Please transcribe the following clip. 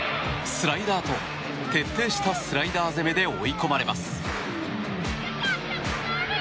スライダーと徹底したスライダー攻めで追い込まれます。